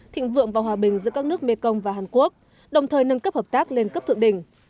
thịnh vượng và hòa bình giữa các nước mekong và hàn quốc đồng thời nâng cấp hợp tác lên cấp thượng đỉnh